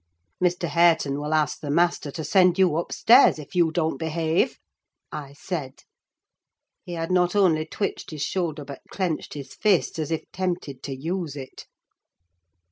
"Mr. Hareton will ask the master to send you upstairs, if you don't behave!" I said. He had not only twitched his shoulder but clenched his fist, as if tempted to use it.